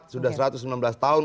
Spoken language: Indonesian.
sudah satu ratus sembilan belas tahun